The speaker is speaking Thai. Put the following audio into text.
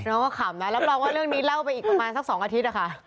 น้องก็ขำนะรับรองว่าเรื่องนี้เล่าไปอีกประมาณสัก๒อาทิตย์นะคะ